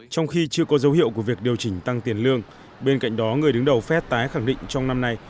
trong khi chưa có dấu hiệu của việc điều chỉnh tăng tiền lương bên cạnh đó người đứng đầu fed tái khẳng định trong năm nay